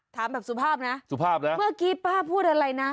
ถามแบบสุภาพนะสุภาพนะเมื่อกี้ป้าพูดอะไรนะ